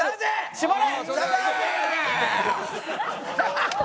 絞れ！